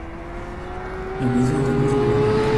Ma maison est à côté de la banque.